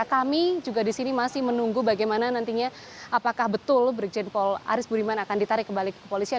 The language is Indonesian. kami juga di sini masih menunggu bagaimana nantinya apakah betul brigjen paul aris budiman akan ditarik kembali ke kepolisian